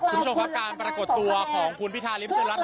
คุณผู้ชมค่ะการปรากฏตัวของคุณพิทาริย์ประชาชนรัฐ